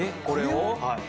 これを？